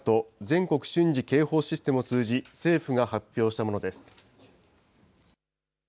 ・全国瞬時警報システムを通じ、政府が発表したものです。